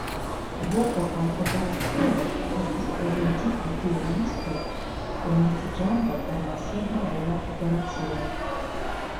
Voko al operacio estas prezentita kiel listo, komenciĝanta per la signo de la operacio.